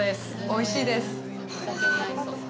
おいしいです。